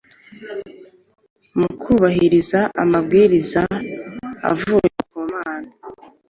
Mu kubahiriza amabwiriza avuye ku Mana,